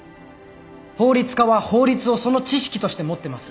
法律家は法律をその知識として持ってます。